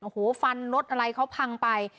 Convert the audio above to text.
โอ้โหฟันรถอะไรเขาพังไป